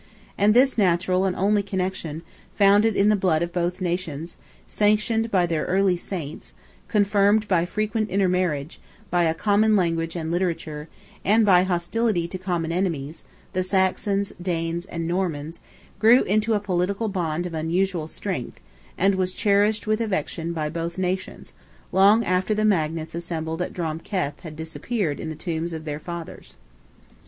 And this natural and only connection, founded in the blood of both nations, sanctioned by their early saints, confirmed by frequent intermarriage, by a common language and literature, and by hostility to common enemies, the Saxons, Danes, and Normans, grew into a political bond of unusual strength, and was cherished with affection by both nations, long ages after the magnates assembled at Drom Keth had disappeared in the tombs of their fathers.